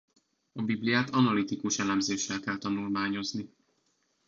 A Bibliát analitikus elemzéssel kell tanulmányozni.